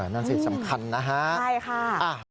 นั่นสิทธิ์สำคัญนะฮะอ่าใช่ค่ะอ่า